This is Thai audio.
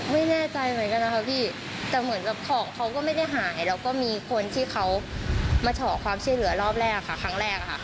มาชอบความเชื่อเหลือครั้งแรกค่ะ